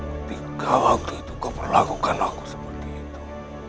ketika waktu itu kau melakukan hal seperti itu